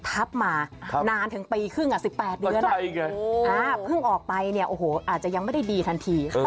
ทับมานานถึงปีครึ่ง๑๘เดือนเพิ่งออกไปเนี่ยโอ้โหอาจจะยังไม่ได้ดีทันที